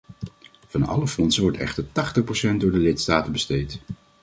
Van alle fondsen wordt echter tachtig procent door de lidstaten besteed.